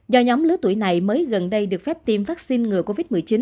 do nhóm lứa tuổi này mới gần đây được phép tiêm vaccine ngừa covid một mươi chín